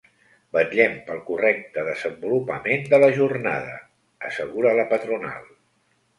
“Vetllem pel correcte desenvolupament de la jornada”, assegura la patronal.